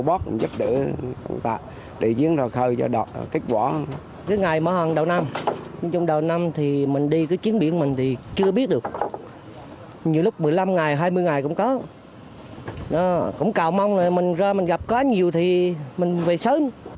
ông trang cũng giúp đỡ nhờ cô bóp cũng giúp đỡ